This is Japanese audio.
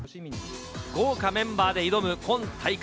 豪華メンバーで挑む今大会。